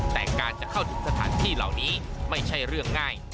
แต่การจะเข้าถึงสถานที่เหล่านี้ไม่ใช่เรื่องง่าย